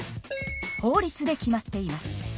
法律で決まっています。